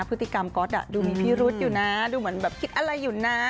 พฤติกรรมก๊อตดูมีพิรุษอยู่นะดูเหมือนแบบคิดอะไรอยู่นะ